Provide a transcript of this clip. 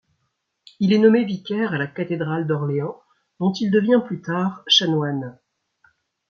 Il est nommé vicaire à la cathédrale d'Orléans dont il devient plus tard chanoine.